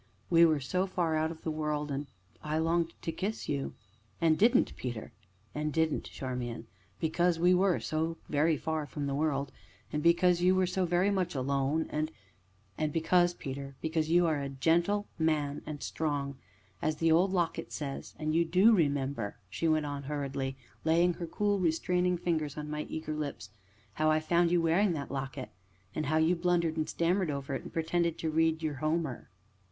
"We were so far out of the world, and I longed to kiss you." "And didn't, Peter." "And didn't, Charmian, because we were so very far from the world, and because you were so very much alone, and " "And because, Peter, because you are a gentle man and strong, as the old locket says. And do you remember," she went on hurriedly, laying her cool, restraining fingers on my eager lips, "how I found you wearing that locket, and how you blundered and stammered over it, and pretended to read your Homer?"